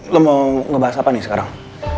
lo mau ngebahas apa nih sekarang